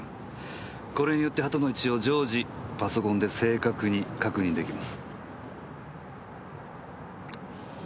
これによって鳩の位置を常時パソコンで正確に確認できます。